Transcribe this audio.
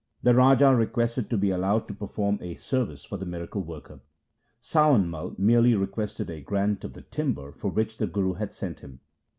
The Raja requested to be allowed to perform a service for the miracle worker. Sawan Mai merely requested a grant of the timber for which the Guru had sent him.